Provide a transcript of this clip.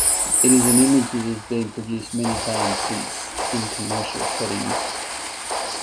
It is an image that has been produced many times since in commercial settings.